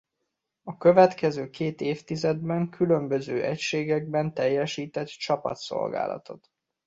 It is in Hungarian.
A következő két évtizedben különböző egységekben teljesített csapatszolgálatot.